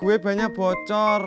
gue banyak bocor